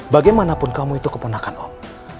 bagaimanapun kamu itu keponakan om